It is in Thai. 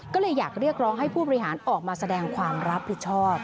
ก็เลยอยากเรียกร้องให้ผู้บริหารออกมาแสดงความรับผิดชอบ